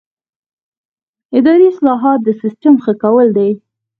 اداري اصلاحات د سیسټم ښه کول دي